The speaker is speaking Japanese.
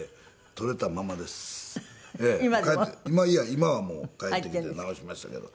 今はもう帰ってきて直しましたけど。